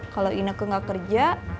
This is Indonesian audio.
kalau ineke gak kerja